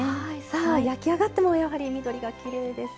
さあ焼き上がってもやはり緑がきれいです。